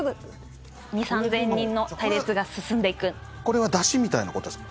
これは山車みたいな事ですか？